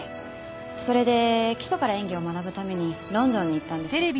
それで基礎から演技を学ぶためにロンドンに行ったんです。